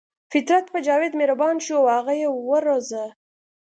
فطرت په جاوید مهربان شو او هغه یې وروزه